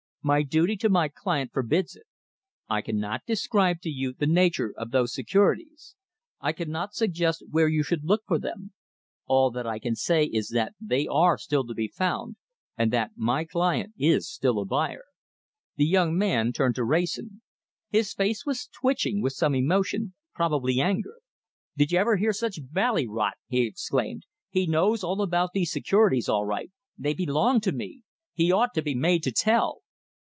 My duty to my client forbids it. I cannot describe to you the nature of those securities. I cannot suggest where you should look for them. All that I can say is that they are still to be found, and that my client is still a buyer." The young man turned to Wrayson. His face was twitching with some emotion, probably anger. "Did you ever hear such bally rot!" he exclaimed. "He knows all about these securities all right. They belong to me. He ought to be made to tell."